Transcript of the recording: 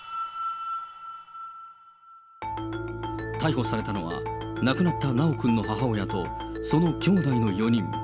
逮捕されたのは、亡くなった修くんの母親とそのきょうだいの４人。